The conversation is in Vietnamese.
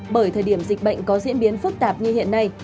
bởi thời điểm dịch bệnh có diễn biến phức tạp như hiện nay